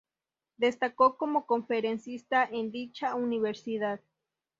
Destacó como conferencista en dicha universidad.